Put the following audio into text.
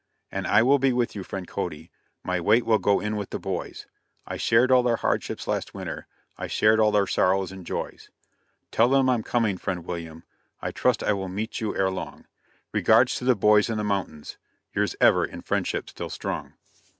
And I will be with you, friend Cody, My weight will go in with the boys; I shared all their hardships last winter, I shared all their sorrows and joys; Tell them I'm coming, friend William, I trust I will meet you ere long; Regards to the boys in the mountains; Yours, ever; in friendship still strong.